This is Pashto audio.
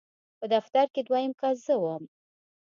په دفتر کې دویم کس زه وم.